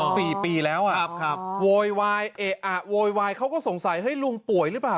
อ๋อสี่ปีแล้วอ่ะโวยวายเขาก็สงสัยลุงป่วยหรือเปล่า